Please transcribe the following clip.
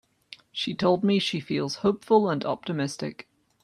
She told me she feels hopeful and optimistic.